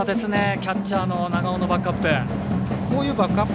キャッチャーの長尾のバックアップ。